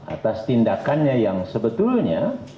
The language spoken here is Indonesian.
atas tindakannya yang sebetulnya